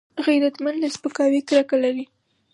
غیرتمند له سپکاوي کرکه لري